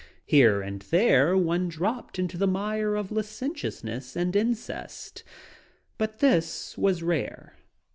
Here and there one dropped into the mire of licentiousness and incest. But this was rare.